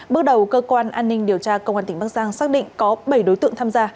bước đầu cơ quan an ninh điều tra công an tỉnh bắc giang xác định có bảy đối tượng tham gia